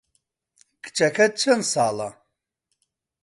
کچەکەت چەند ساڵە؟